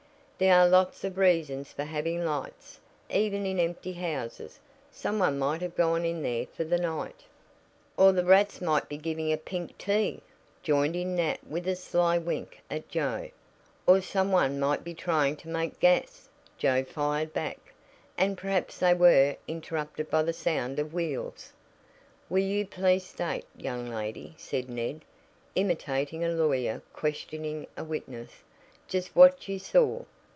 "There are lots of reasons for having lights, even in empty houses. Some one might have gone in there for the night " "Or the rats might be giving a pink tea," joined in Nat with a sly wink at Joe. "Or some one might be trying to make gas," Joe fired back, "and perhaps they were interrupted by the sound of wheels." "Will you please state, young lady," said Ned, imitating a lawyer questioning a witness, "just what you saw?